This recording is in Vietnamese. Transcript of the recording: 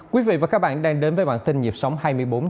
quý vị và các bạn đang đến với bản tin nhịp sống hai mươi bốn h